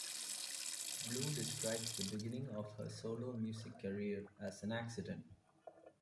Blue describes the beginning of her solo music career as an accident.